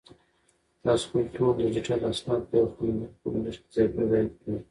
تاسو خپل ټول ډیجیټل اسناد په یو خوندي فولډر کې ځای پر ځای کړئ.